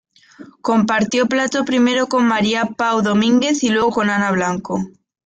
Compartió plató primero con María Pau Domínguez y luego con Ana Blanco.